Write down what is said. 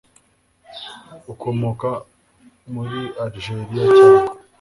ukomoka muri Algeria cyangwa